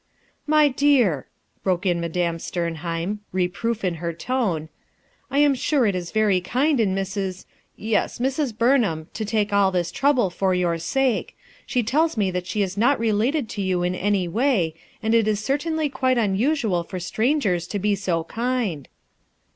S "My dear," broke in Madam© Sternhrim, re proof in her tone, "I am mire it k very kind in Mrs.™ yes, Mrs. Buroham to take all this trouble for your sake. She tells me that she is not related to you in any way, and it is cer tainly quite unusual for strangers to be so kind."